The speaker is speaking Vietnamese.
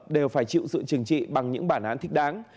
đều phải chịu sự trừng trị bằng những bản án thích đáng